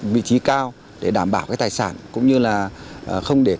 vị trí cao để đảm bảo cái tài sản cũng như là không để